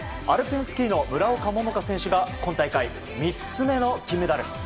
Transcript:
アルペンスキーの村岡桃佳選手が今大会３つ目の金メダル。